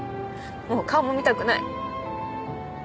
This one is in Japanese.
もう顔も見たくない。